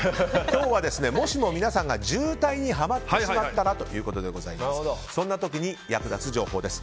今日はもしも皆さんが渋滞にはまってしまったらということでそんな時に役立つ情報です。